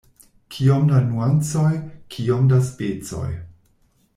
Kiom da nuancoj, kiom da specoj!